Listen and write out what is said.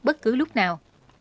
bất cứ lúc nào